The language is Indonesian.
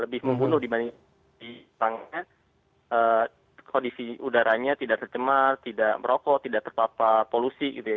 lebih membunuh dibanding kondisi udaranya tidak tercemar tidak merokok tidak terpapar polusi gitu ya